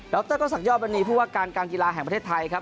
ดรก็สักยอบวันนี้เพื่อว่าการการกีฬาแห่งประเทศไทยครับ